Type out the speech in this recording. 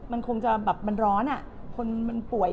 มันคงจะแบบมันร้อนคนมันป่วย